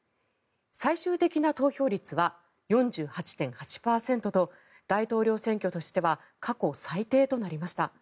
最終的な投票率は４８．８％と大統領選挙としては過去最低となりました。